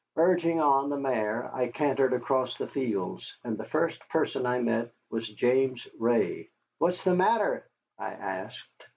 Urging on the mare, I cantered across the fields, and the first person I met was James Ray. "What's the matter?" I asked.